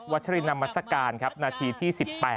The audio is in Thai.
ชรินนามัศกาลครับนาทีที่๑๘